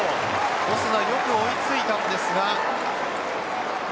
オスナ、よく追いついたんですが。